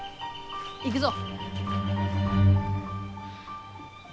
行くぞ。